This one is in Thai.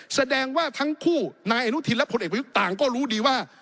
แสดงว่าทั้งคู่นายอนุทินและผลเอกประยุทธ์ต่างก็รู้ดีว่า